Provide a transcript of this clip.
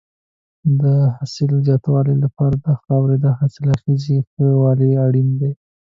د حاصل د زیاتوالي لپاره د خاورې د حاصلخېزۍ ښه والی اړین دی.